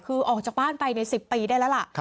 คือออกจากบ้านไปใน๑๐ปีได้แล้วล่ะ